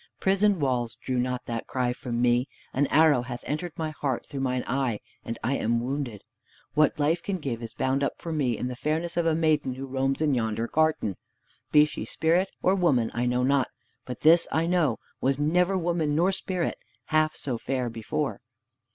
Prison walls drew not that cry from me. An arrow hath entered my heart through mine eye, and I am wounded. What life can give is bound up for me in the fairness of a maiden who roams in yonder garden. Be she Spirit or woman I know not! But this I know, was never woman nor Spirit half so fair before."